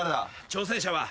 挑戦者は。